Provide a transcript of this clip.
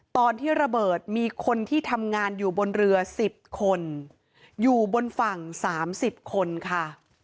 ตอนที่ระเบิดมีคนที่ทำงานอยู่บนเรือ๑๐คนอยู่บนฝั่ง๓๐คนค่ะ